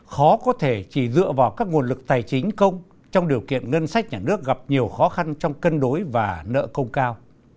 khó có thể chỉ dựa vào các nguồn lực tài chính công trong điều kiện ngân sách nhà nước gặp nhiều khó khăn trong cân đối và nợ công cao